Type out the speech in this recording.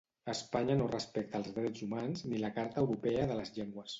Espanya no respecta els drets humans ni la carta europea de les llengües.